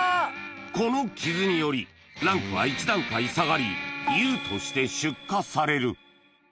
この傷によりランクは１段階下がり「優」として出荷される